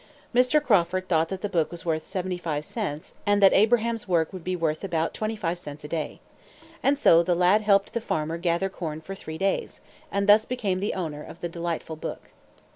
Mr. Crawford thought that the book was worth seventy five cents, and that Abraham's work would be worth about twenty five cents a day. And so the lad helped the farmer gather corn for three days, and thus became the owner of the delightful book.